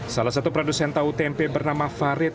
salah satu produsen tahu tempe bernama farid